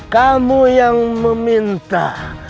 kamu yang meminta